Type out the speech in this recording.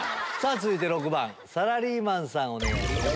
続いて６番サラリーマンさんお願いします。